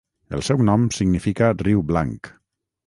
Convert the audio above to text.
El seu nom significa 'riu Blanc'.